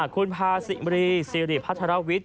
คุณพาศิริซีริภัทรวิทย์